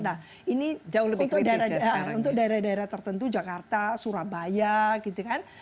nah ini untuk daerah daerah tertentu jakarta surabaya gitu kan